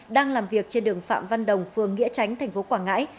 đang làm việc trên đường phạm văn đồng phường nghĩa tránh tp quảng ngãi